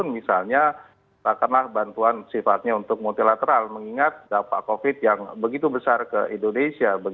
misalnya katakanlah bantuan sifatnya untuk multilateral mengingat dampak covid yang begitu besar ke indonesia